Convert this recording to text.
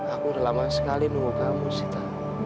aku udah lama sekali nunggu kamu sita